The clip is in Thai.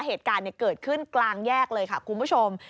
เหตุการณ์เกิดขึ้นกลางแยกเลยค่ะคุณผู้ชม